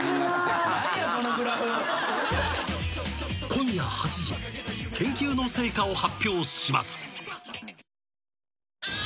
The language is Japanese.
今夜８時研究の成果を発表します。